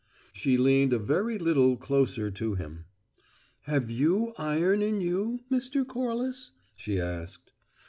She leaned a very little closer to him. "Have you iron in you, Mr. Corliss?" she asked.